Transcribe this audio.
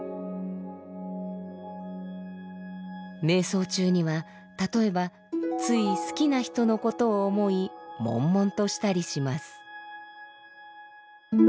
瞑想中には例えばつい好きな人のことを思い悶々としたりします。